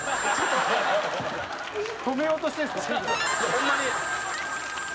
「ホンマに」